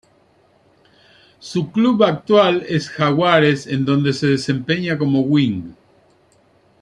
Su club actual es Jaguares en donde se desempeña como wing.